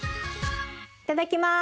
いただきます。